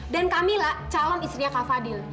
dan kamila calon istrinya kak fadil